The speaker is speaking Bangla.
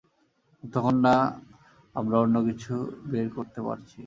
যতক্ষণ না আমরা অন্য কিছু বের করতে পারছি।